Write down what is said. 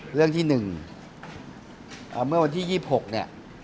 เรื่องที่๑เมื่อวันที่๒๖เนี่ย